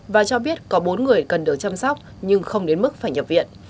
và cho biết có bốn người cần được chăm sóc nhưng không đến mức phải nhập viện